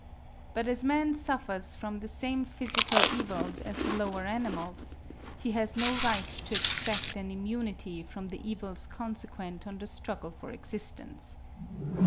But as man suffers from the same physical evils as the lower animals, he has no right to expect an immunity from the evils consequent on the struggle for existence.